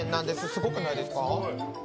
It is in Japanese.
すごくないですか。